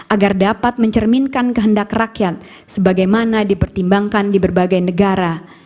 agar dapat mencerminkan kehendak rakyat sebagaimana dipertimbangkan di berbagai negara